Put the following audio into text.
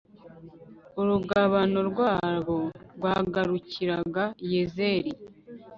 urugabano rwabo rwagarukiraga yezeri